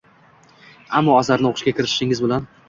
Ammo asarni o’qishga kirishishingiz bilan